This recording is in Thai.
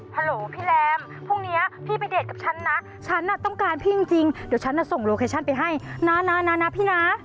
โหลพี่แรมพรุ่งนี้พี่ไปเดทกับฉันนะฉันน่ะต้องการพี่จริงเดี๋ยวฉันส่งโลเคชั่นไปให้นะพี่นะ